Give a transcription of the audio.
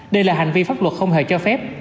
đây là hành vi pháp luật không hề cho phép